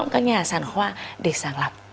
các nhà sản khoa để sản lập